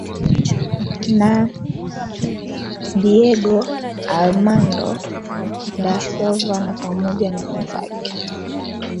na Diego Armando da Silva na pamoja na wenzake